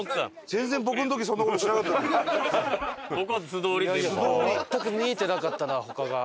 全く見えてなかったな他が。